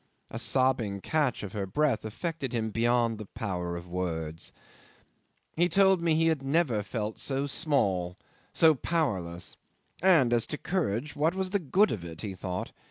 A sobbing catch of her breath affected him beyond the power of words. 'He told me that he had never felt so small, so powerless and as to courage, what was the good of it? he thought.